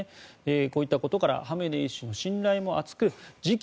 こういったことからハメネイ師の信頼も厚く次期